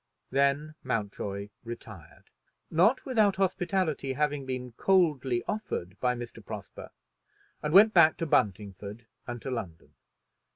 Then Mountjoy retired, not without hospitality having been coldly offered by Mr. Prosper, and went back to Buntingford and to London.